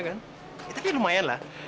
tapi lumayan lah